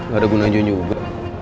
gak ada gunanya juga